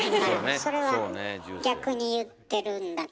それは逆に言ってるんだけど。